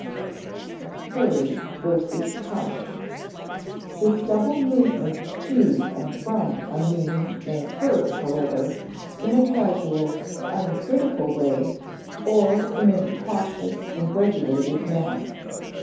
[Sidenote: Hurry versus caution] This double movement to and from a meaning may occur, however, in a casual, uncritical way, or in a cautious and regulated manner.